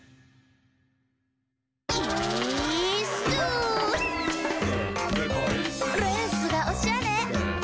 「イーッス」「レースがおしゃれ！」